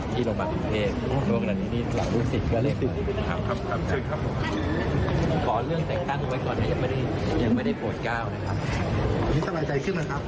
ก็คือไม่มีเรื่องกันอะไรแค่นี้